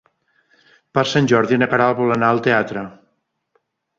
Per Sant Jordi na Queralt vol anar al teatre.